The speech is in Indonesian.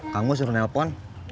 kang mus suruh nelpon